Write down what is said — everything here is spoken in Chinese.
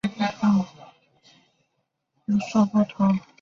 频散的意思是表面波的波速会根据频率而有所不同。